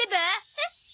えっ？